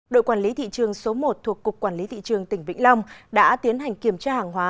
đội quản lý thị trường số một thuộc cục quản lý thị trường tỉnh vĩnh long đã tiến hành kiểm tra hàng hóa